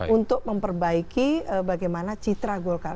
untuk memperbaiki bagaimana citra golkar